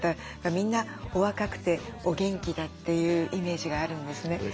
みんなお若くてお元気だっていうイメージがあるんですね。